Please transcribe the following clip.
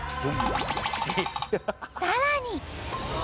さらに。